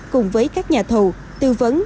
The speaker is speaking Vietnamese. cùng với các nhà thầu tư vấn